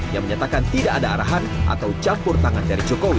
yang menyatakan tidak ada arahan atau campur tangan dari jokowi